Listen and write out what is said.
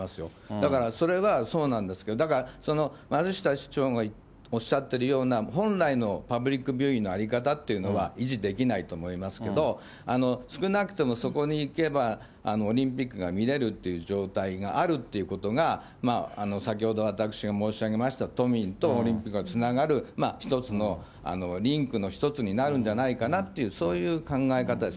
だからそれはそうなんですけど、だから、松下市長がおっしゃってるような、本来のパブリックビューイングの在り方というのは維持できないと思いますけど、少なくとも、そこに行けばオリンピックが見れるという状態があるっていうことが、先ほど私が申し上げました、都民とオリンピックがつながる一つのリンクの一つになるんじゃないかなという、そういう考え方です。